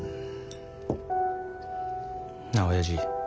なあおやじ。